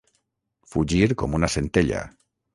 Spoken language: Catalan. Fugir com una centella.